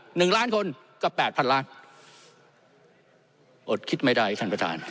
หนึ่งล้านคนก็แปดพันล้านอดคิดไม่ได้ท่านประธาน